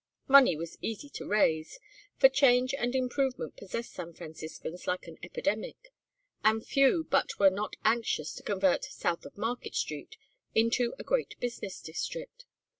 Money was easy to raise, for change and improvement possessed San Franciscans like an epidemic, and few but were not anxious to convert "South of Market Street" into a great business district.